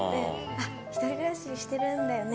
あっ、１人暮らししてるんだよね？